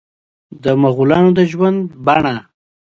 د مغولانو د ژوند بڼه وه.